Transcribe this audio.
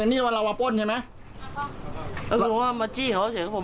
นี่วันเรามาป้นใช่ไหมก็คือว่ามาจี้เขาเสียงผม